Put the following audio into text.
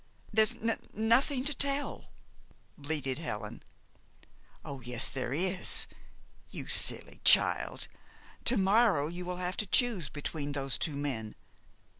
"There's n n nothing to tell!" bleated Helen. "Oh yes, there is. You silly child, to morrow you will have to choose between those two men.